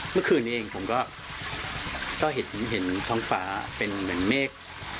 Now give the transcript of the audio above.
เมื่อคืนนี้เองผมก็เห็นท้องฟ้าเป็นเหมือนเมฆ